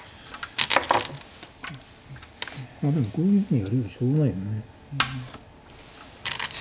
まあでもこういうふうにやるよりしょうがないよね。